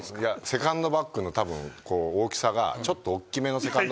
セカンドバッグの大きさがちょっとおっきめのセカンドバッグ。